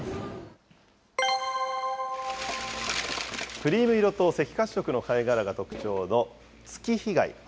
クリーム色と赤褐色の貝殻が特徴の月日貝。